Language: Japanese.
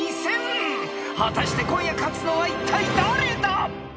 ［果たして今夜勝つのはいったい誰だ！？］